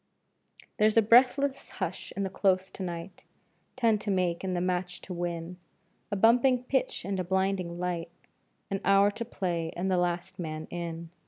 There's a breathless hush in the Close to night Ten to make and the match to win A bumping pitch and a blinding light, An hour to play and the last man in.